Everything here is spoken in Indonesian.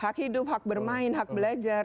hak hidup hak bermain hak belajar